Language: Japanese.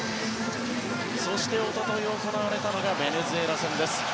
そして、一昨日行われたのがベネズエラ戦です。